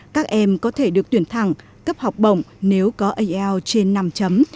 các em có thể được tuyển thẳng cấp học bổng nếu có ielts trên năm